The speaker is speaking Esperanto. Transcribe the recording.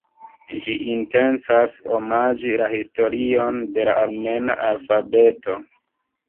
Ĝi intencas omaĝi la historion de la armena alfabeto.